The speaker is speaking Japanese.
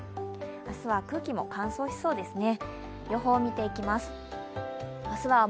明日は空気も乾燥しそうですね。